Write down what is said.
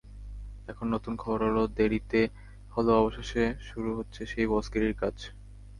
এখন নতুন খবর হলো, দেরিতে হলেও অবশেষে শুরু হচ্ছে সেই বসগিরির কাজ।